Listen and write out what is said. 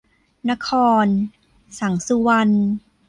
นคร สังสุวรรณ